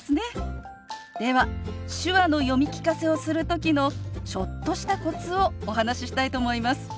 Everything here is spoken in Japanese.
では手話の読み聞かせをする時のちょっとしたコツをお話ししたいと思います。